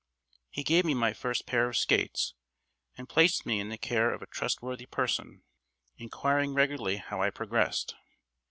He gave me my first pair of skates, and placed me in the care of a trustworthy person, inquiring regularly how I progressed.